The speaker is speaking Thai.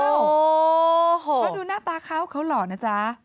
เพราะดูหน้าตาเขาเขาหล่อนะจ๊ะ